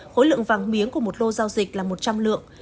khối lượng vàng miếng của một lô giao dịch là một trăm linh lượng